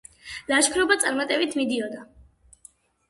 ლაშქრობა წარმატებით მიდიოდა.